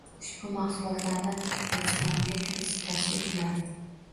Ushbu mahsulotlarni ratsionga kiritish tavsiya etiladi